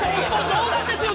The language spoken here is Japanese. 冗談ですよ